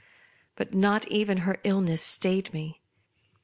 But not even her illness stayed me.